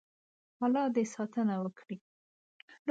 الله دې ساتنه وکړي.